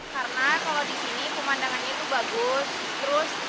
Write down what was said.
karena kalau di sini pemandangannya itu bagus